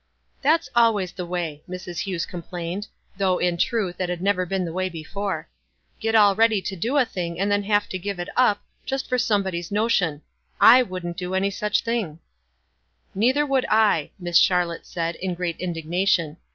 "That's always the way !" Mrs. Hewes com plained, though, in truth, it had never been the way before. "Get all ready to do a thing, and then have to give it up, just for somebody's no tion, /wouldn't do any such thing." 4 50 WISE A2sD OTHERWISE. * Neither would I," Miss Charlotte said, in great indignation.